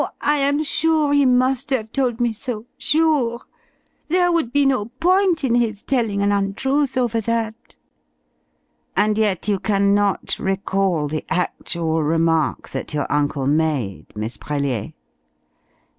I am sure he must have told me so, sure! There would be no point in his telling an untruth over that." "And yet you can not recall the actual remark that your uncle made, Miss Brellier?"